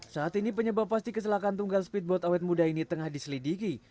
saat ini penyebab pasti kecelakaan tunggal speedboat awet muda ini tengah diselidiki